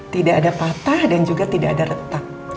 tidak ada patah dan juga tidak ada retak